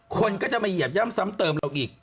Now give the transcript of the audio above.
คนก็จะมาเหยียบย่ำซ้ำเติมเราอีก